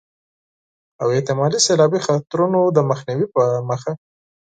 او احتمالي سيلابي خطرونو د مخنيوي په موخه